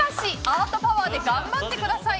崇、アートパワーで頑張ってください。